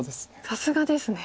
さすがですね。